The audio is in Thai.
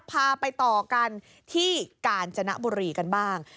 พาไปต่อกันที่กาญจนบุรีกันบ้าง